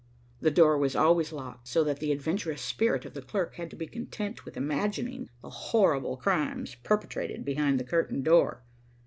The door was always locked, so that the adventurous spirit of the clerk had to be content with imagining the horrible crimes perpetrated behind the curtained door.